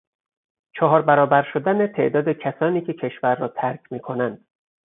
چهار برابر شدن تعداد کسانی که کشور را ترک میکنند